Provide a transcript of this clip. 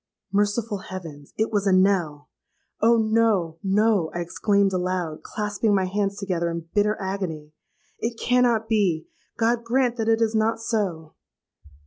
Merciful heavens! it was a knell! 'Oh! no—no,' I exclaimed aloud, clasping my hands together in bitter agony; 'it cannot be! God grant that it is not so!'